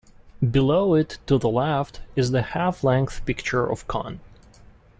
Below it to the left is the half-length picture of Kon.